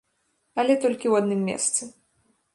Але толькі ў адным месцы.